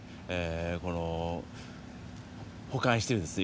この保管してるですね